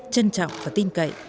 trân trọng và tin cậy